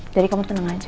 jadi kamu tenang aja